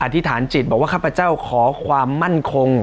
ธิษฐานจิตบอกว่าข้าพเจ้าขอความมั่นคง